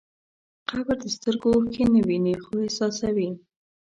قبر د سترګو اوښکې نه ویني، خو احساسوي.